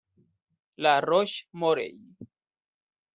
La Roche-Morey